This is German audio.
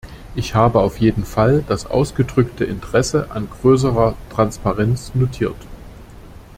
Ich habe auf jeden Fall das ausgedrückte Interesse an größerer Transparenz notiert.